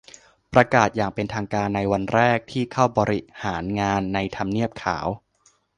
ประกาศอย่างเป็นทางการในวันแรกที่เข้าบริหารงานในทำเนียบขาว